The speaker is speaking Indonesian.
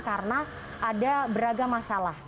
karena ada beragam masalah